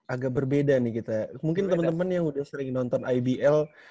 agak berbeda nih kita mungkin teman teman yang udah sering nonton ibl